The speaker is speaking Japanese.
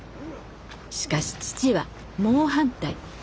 しかし父は猛反対。